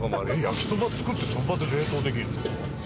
焼きそば作ってその場で冷凍できるんですか？